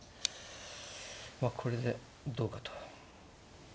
まあこれでどうかと。